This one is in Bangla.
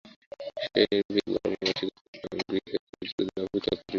সেই নির্ভীক বালক নচিকেতা যমগৃহে তিন দিন অপেক্ষা করিলেন।